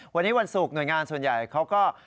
วันนี้วันศุกร์หน่วยงานส่วนใหญ่เขาก็